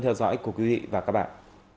theo dõi của quý vị và các bạn